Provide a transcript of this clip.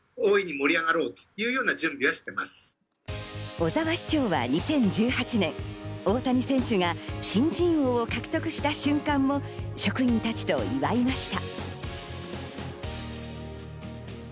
小沢市長は２０１８年、大谷選手が新人王を獲得した瞬間も職員たちと祝いました。